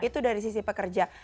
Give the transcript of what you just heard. itu dari sisi pekerja